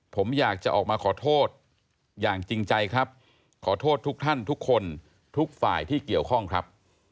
ผมอยากจะออกมาขอโทษอย่างจริงใจครับขอโทษทุกท่านทุกคนทุกฝ่ายที่เกี่ยวข้องครับ